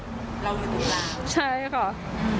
เรามีดีละใช่หรอใช่ค่ะ